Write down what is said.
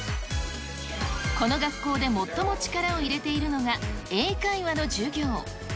この学校で最も力を入れているのが英会話の授業。